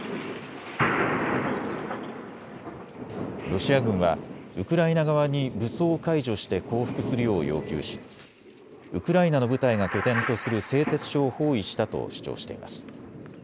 ロシア軍はウクライナ側に武装解除して降伏するよう要求しウクライナの部隊が拠点とする製鉄所を包囲したと主張しています。